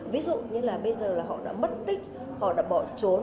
ví dụ như là bây giờ là họ đã mất tích họ đã bỏ trốn